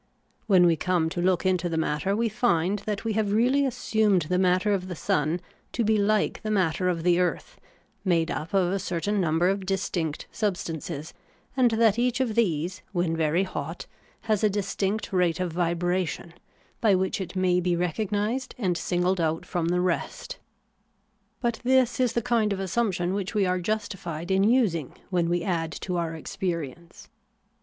When we come to look into the matter, we find that we have really as sumed the matter of the sun to be like the matter of the earth, made up of a certain number of distinct sub stances ; and that each of these, when very hot, has a 208 THE ETHICS OF BELIEF. distinct rate of vibration, by which it may be recognized and singled out from the rest. But this is the kind of assumption which we are justified in using when we add to our experience.